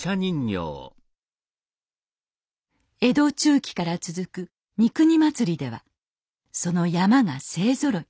江戸中期から続く三国祭ではその山車が勢ぞろい。